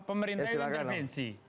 pemerintah itu intervensi